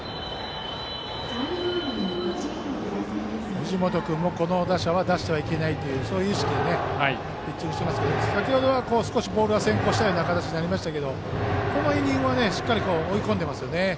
藤本君もこの打者は出してはいけないというそういう意識でピッチングしていますが先程、少しボールが先行した形になりましたがこのイニングはしっかり追い込んでいますよね。